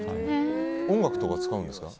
音楽とか使うんですか？